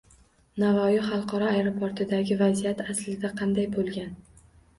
Navoiy xalqaro aeroportidagi vaziyat aslida qanday bo‘lgan?